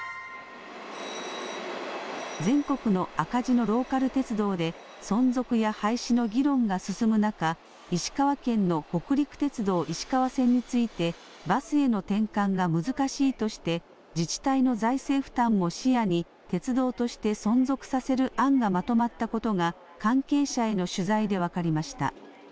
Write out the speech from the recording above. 全国の赤字のローカル鉄道で、存続や廃止の議論が進む中、石川県の北陸鉄道石川線について、バスへの転換が難しいとして、自治体の財政負担も視野に、鉄道として存続させる案がまとまったことが、関係者への取材で分かりました。